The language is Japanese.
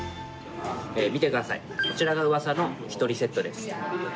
見てください、こちらがうわさの１人セットです。